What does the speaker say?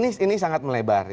ini sangat melebar